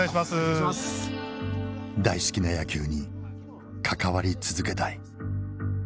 大好きな野球に関わり続けたい。